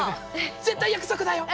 絶対約束だよ。